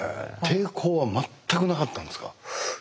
抵抗は全くなかったんですか？